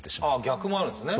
逆もあるんですね。